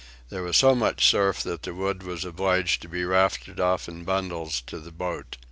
There was so much surf that the wood was obliged to be rafted off in bundles to the boat.